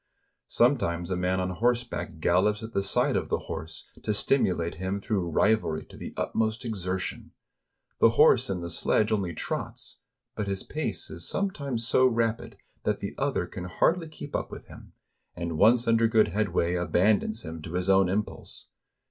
Some times a man on horseback gallops at the side of the horse to stimulate him through rivalry to the utmost exertion. The horse in the sledge only trots, but his pace is some times so rapid that the other can hardly keep up with him, and once under good headway, abandons him to his own impulse.